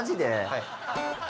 はい。